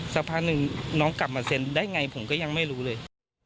สักพักหนึ่งน้องกลับมาเซ็นได้ไงผมก็ยังไม่รู้เลย